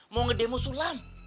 mau ngedemo sulam